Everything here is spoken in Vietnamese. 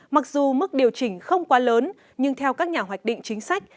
mặc dù mức điều chỉnh không quá lớn nhưng theo các nhà hoạch định chính sách